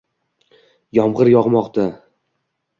Yomg’ir yog’moqda